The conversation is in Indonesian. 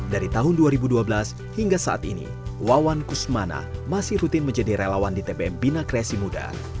dari tahun dua ribu dua belas hingga saat ini wawan kusmana masih rutin menjadi relawan di tbm bina kreasi muda